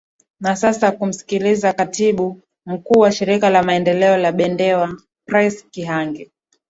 na sasa kumsikiliza katibu mkuu wa shirika la maendeleo la bendewa prince kihangi